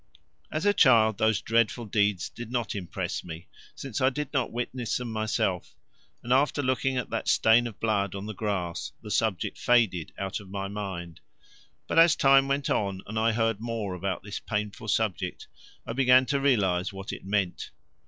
As a child those dreadful deeds did not impress me, since I did not witness them myself, and after looking at that stain of blood on the grass the subject faded out of my mind. But as time went on and I heard more about this painful subject I began to realize what it meant.